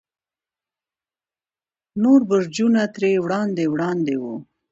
نور برجونه ترې وړاندې وړاندې وو.